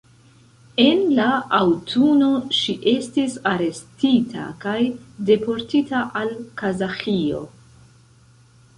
En la aŭtuno ŝi estis arestita kaj deportita al Kazaĥio.